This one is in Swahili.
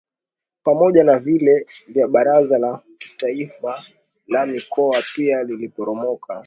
pamoja na vile vya Baraza la Kitaifa la Mikoa pia liliporomoka